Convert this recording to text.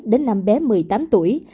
đến năm bé một mươi tám tuổi